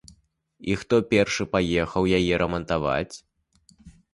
І хто першы паехаў яе рамантаваць?